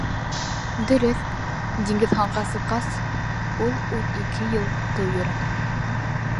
Дөрөҫ, Диңгеҙханға сыҡҡас, ул ун ике йыл тыу йөрөнө.